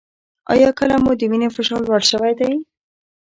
ایا کله مو د وینې فشار لوړ شوی دی؟